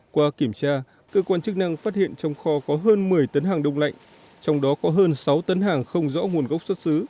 qua kiểm tra cơ quan chức năng phát hiện trong kho có hơn một mươi tấn hàng đông lạnh trong đó có hơn sáu tấn hàng không rõ nguồn gốc xuất xứ